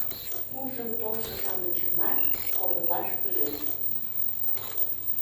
Куржын толшо-шамычымат кордылаш кӱлеш...